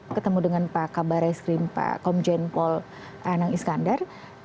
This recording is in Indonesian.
ketemu dengan pak kabarai skrim pak komjen paul anang iskandar